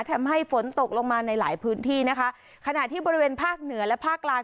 ทำให้ฝนตกลงมาในหลายพื้นที่นะคะขณะที่บริเวณภาคเหนือและภาคกลาง